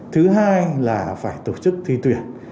thứ hai là phải tổ chức thi tuyển